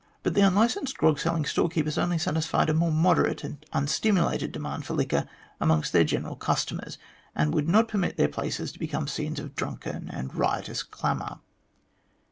But the unlicensed grog selling store keepers only satisfied a more moderate and unstimulated demand for liquor amongst their general customers, and would not permit their places to become scenes of drunken and riotous clamour.